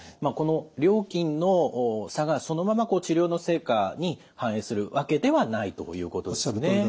この料金の差がそのまま治療の成果に反映するわけではないということですね。